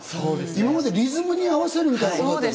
今までリズムに合わせるみたいな。